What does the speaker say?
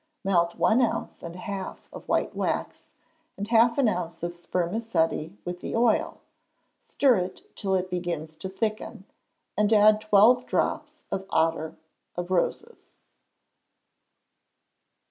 Melt one ounce and a half of white wax and half an ounce of spermaceti with the oil; stir it till it begins to thicken, and add twelve drops of otto of roses.